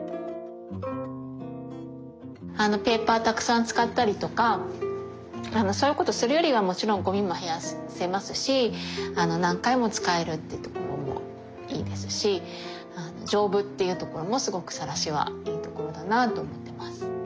ペーパーたくさん使ったりとかそういうことするよりはもちろんごみも減らせますし何回も使えるっていうところもいいですし丈夫っていうところもすごくさらしはいいところだなと思ってます。